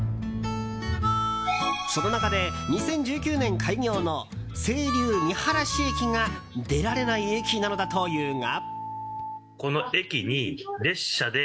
その中で、２０１９年開業の清流みはらし駅が出られない駅なのだというが。